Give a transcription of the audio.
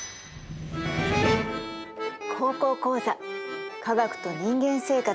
「高校講座科学と人間生活」。